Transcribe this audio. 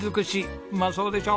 うまそうでしょ！